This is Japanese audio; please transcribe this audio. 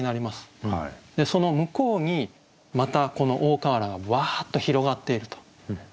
その向こうにまたこの「大河原」がわっと広がっていると。